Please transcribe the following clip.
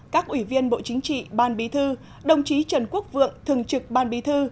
các ủy viên bộ chính trị ban bí thư đồng chí trần quốc vượng thường trực ban bí thư